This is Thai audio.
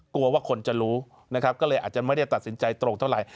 กลัวว่าคนจะรู้นะครับก็เลยอาจจะไม่ได้ตัดสินใจตรงเท่าไหร่